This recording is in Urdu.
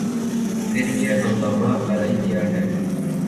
پھر یہ ہنگامہ آرائی کیا ہے؟